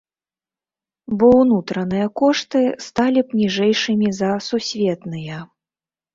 Бо ўнутраныя кошты сталі б ніжэйшымі за сусветныя.